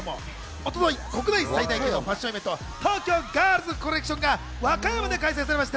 一昨日、国内最大級のファッションイベント、東京ガールズコレクションが和歌山で開催されました。